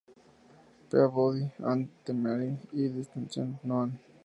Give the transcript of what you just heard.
Peabody and the Mermaid", y "Destination Moon".